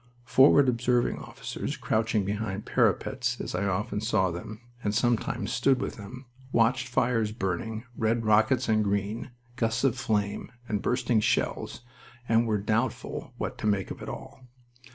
Forward observing officers crouching behind parapets, as I often saw them, and sometimes stood with them, watched fires burning, red rockets and green, gusts of flame, and bursting shells, and were doubtful what to make of it all.